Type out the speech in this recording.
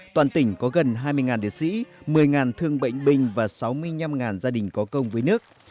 toàn tỉnh có gần hai mươi liệt sĩ một mươi thương bệnh binh và sáu mươi năm gia đình có công với nước